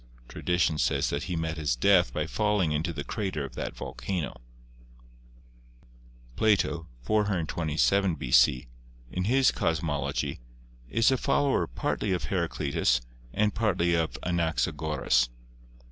Tradition says that he met his death by falling into the crater of that volcano. Plato (427 B.C.), in his Cosmology, is a follower partly of Heraclitus and partly of Anaxagoras.